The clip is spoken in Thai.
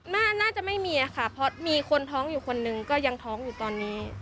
น่าจะไม่มีค่ะเพราะมีคนท้องอยู่คนนึงก็ยังท้องอยู่ตอนนี้